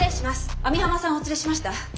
網浜さんをお連れしました。